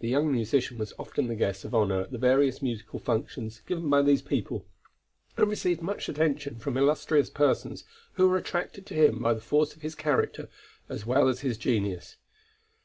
The young musician was often the guest of honor at the various musical functions given by these people, and received much attention from illustrious persons who were attracted to him by the force of his character as well as his genius.